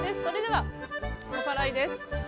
それではおさらいです。